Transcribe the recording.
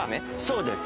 そうです。